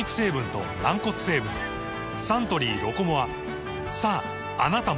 サントリー「ロコモア」さああなたも！